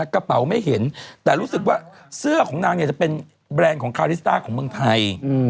กระเป๋าไม่เห็นแต่รู้สึกว่าเสื้อของนางเนี่ยจะเป็นแบรนด์ของคาริสต้าของเมืองไทย